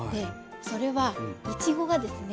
それはいちごがですね